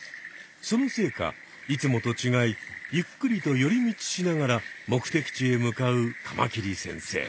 そのせいかいつもとちがいゆっくりと寄り道しながら目的地へ向かうカマキリ先生。